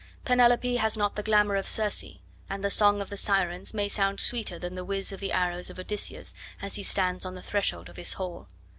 Penelope has not the glamour of Circe, and the song of the Sirens may sound sweeter than the whizz of the arrows of Odysseus as he stands on the threshold of his hall.